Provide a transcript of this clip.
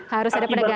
harus ada penegasan